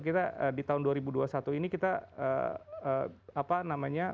kita di tahun dua ribu dua puluh satu ini kita apa namanya